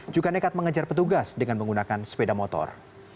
juga nekat mengejar petugas dengan menggunakan sepeda motor